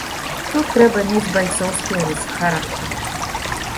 Тут трэба мець байцоўскія рысы характару.